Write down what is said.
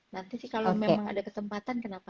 nanti sih kalau memang ada kesempatan kenapa